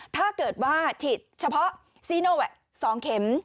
ถ้าเกิดว่าฉีดเฉพาะซีโนแวค๒เข็ม